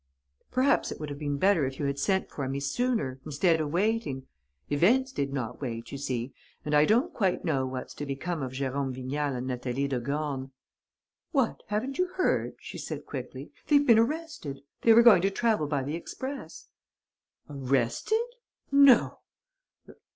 "Perhaps it would have been better if you had sent for me sooner, instead of waiting.... Events did not wait, you see, and I don't quite know what's to become of Jérôme Vignal and Natalie de Gorne." "What, haven't you heard?" she said, quickly. "They've been arrested. They were going to travel by the express." "Arrested? No."